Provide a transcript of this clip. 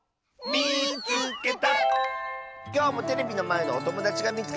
「みいつけた！」。